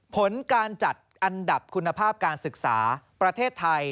ผลการจัดอันดับคุณภาพการศึกษาประเทศไทย